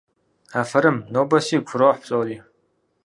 Афэрым! Нобэ сигу фрохь псори!